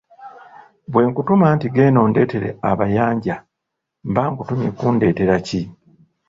Bwe nkutuma nti genda ondeetere abayanja, mba nkutumye kundeetera ki?